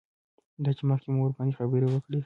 دا چې مخکې مو ورباندې خبرې وکړې.